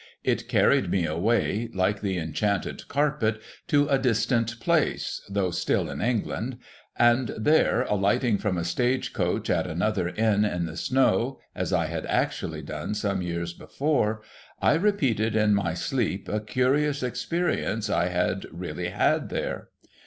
It carried me away, like the enchanted carpet, to a distant place (though still in England), and there, alighting from a stage coach at another Inn in the snow, as I had actually done some years before, I repeated in my sleep a curious experi ence I had really had here.